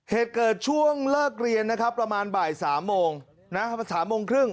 เหตุเกิดช่วงเลิกเรียนนะครับประมาณบ่าย๓โมง๓โมงครึ่ง